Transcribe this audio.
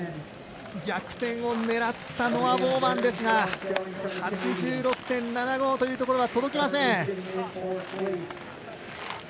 逆転を狙ったノア・ボーマンですが８６．７５というところには届きません。